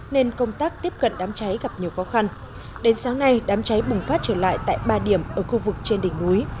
nên công tác tiếp cận đám cháy gặp nhiều khó khăn đến sáng nay đám cháy bùng phát trở lại tại ba điểm ở khu vực trên đỉnh núi